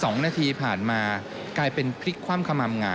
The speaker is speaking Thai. ๒นาทีผ่านมากลายเป็นพริกคว่ำคำอำไหง